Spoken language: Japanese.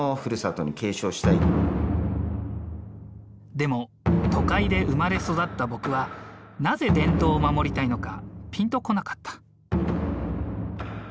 でも都会で生まれ育った僕はなぜ伝統を守りたいのかピンとこなかった。